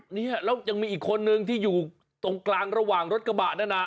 เนี่ยแล้วยังมีอีกคนนึงที่อยู่ตรงกลางระหว่างรถกระบะนั่นน่ะ